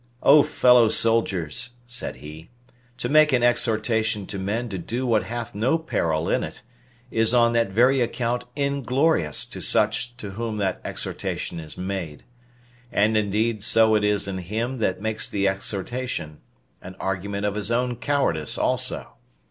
"O fellow soldiers," said he, "to make an exhortation to men to do what hath no peril in it, is on that very account inglorious to such to whom that exhortation is made; and indeed so it is in him that makes the exhortation, an argument of his own cowardice also.